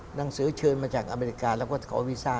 หนังสือเชิญมาจากอเมริกาแล้วก็ขอวีซ่า